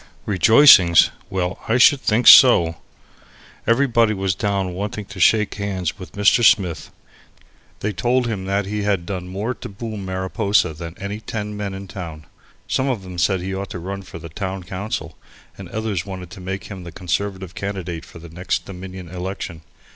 Rejoicings! Well, I should think so! Everybody was down wanting to shake hands with Mr. Smith. They told him that he had done more to boom Mariposa than any ten men in town. Some of them said he ought to run for the town council, and others wanted to make him the Conservative candidate for the next Dominion election.